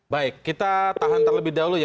baik kita tahan terlebih dahulu ya